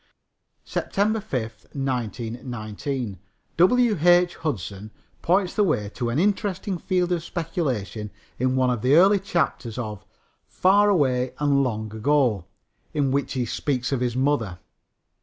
SEPTEMBER 5, 1919. W. H. Hudson points the way to an interesting field of speculation in one of the early chapters of Far Away and Long Ago, in which he speaks of his mother.